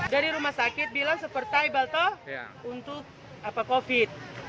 dari rumah sakit bilang seperti balto untuk covid